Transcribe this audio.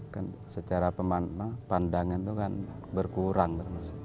kan secara pandangan itu kan berkurang